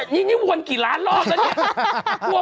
นี่วนกี่ล้านรอบแล้วนี่